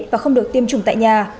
và không được tiêm chủng tại nhà